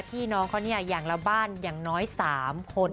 พี่น้องเขาเนี่ยอย่างละบ้านอย่างน้อย๓คน